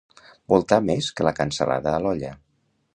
Voltar més que la cansalada a l'olla.